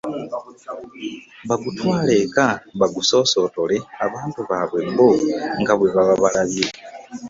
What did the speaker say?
Bagutwale eka bagusoosootolere abantu baabwe bo nga bwe baba balabye.